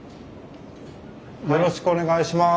よろしくお願いします。